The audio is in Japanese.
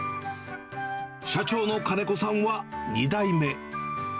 社長の金子さんは２代目。